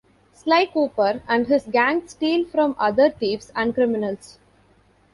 Sly Cooper and his gang steal from other thieves and criminals.